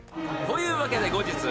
［というわけで後日］